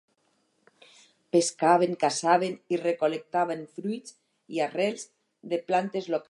Pescaven, caçaven i recol·lectaven fruits i arrels de plantes locals.